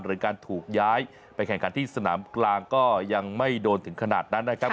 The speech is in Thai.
หรือการถูกย้ายไปแข่งขันที่สนามกลางก็ยังไม่โดนถึงขนาดนั้นนะครับ